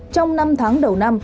trong năm tháng đầu năm